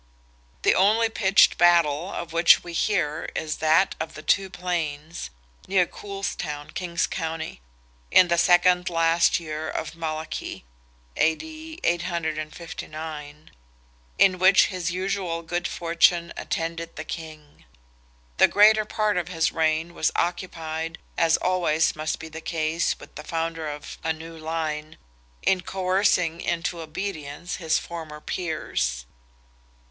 The only pitched battle of which we hear is that of "the Two Plains" (near Coolestown, King's County), in the second last year of Malachy (A.D. 859), in which his usual good fortune attended the king. The greater part of his reign was occupied, as always must be the case with the founder of a new line, in coercing into obedience his former peers.